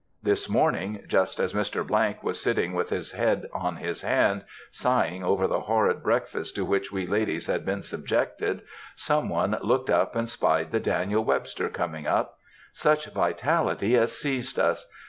This morning, just as Mr. —— was sitting with his head on his hand, sighing over the horrid breakfast to which we ladies had been subjected, some one looked up and spied the Daniel Webster coming up. Such vitality as seized us!